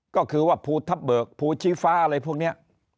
ก็คือว่าภูทับเบิกภูชีฟ้าอะไรพวกนี้